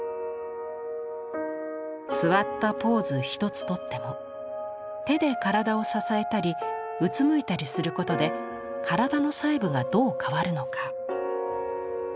座ったポーズ一つとっても手で体を支えたりうつむいたりすることで体の細部がどう変わるのか。